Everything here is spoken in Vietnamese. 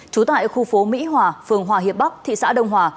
trú tại khu phố mỹ hòa phường hòa hiệp bắc thị xã đông hòa